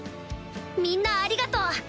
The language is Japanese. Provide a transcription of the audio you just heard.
みんなありがとう！